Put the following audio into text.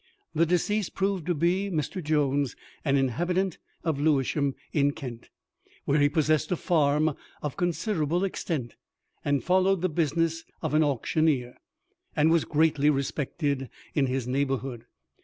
The deceased proved to be Mr. , an inhabitant of Lewisham, in Kent, where he possessed a farm of considerable extent, and followed the business of an auctioneer, and was greatly respected in his neighbourhood.